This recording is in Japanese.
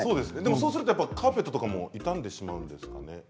そうすると、カーペットも傷んでしまうんですかね。